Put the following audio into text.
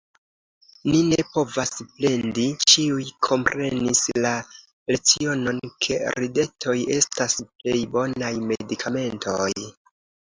Ni ne povas plendi, ĉiuj komprenis la lecionon, ke ridetoj estas plej bonaj medikamentoj.